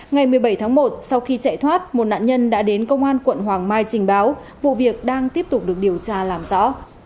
ngày một mươi bảy tháng một sau khi chạy thoát một nạn nhân đã đến công an quận hoàng mai trình báo vụ việc đang tiếp tục được điều tra làm rõ